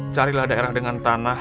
carilah daerah dengan tanah